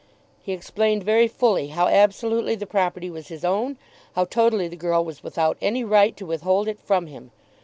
He explained very fully how absolutely the property was his own, how totally the girl was without any right to withhold it from him!